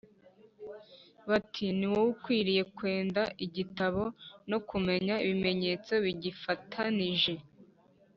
bati “Ni wowe ukwiriye kwenda igitabo no kumena ibimenyetso bigifatanije,